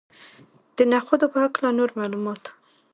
د نخودو په هکله نور معلومات.